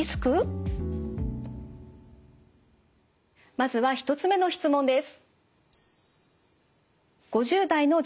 まずは１つ目の質問です。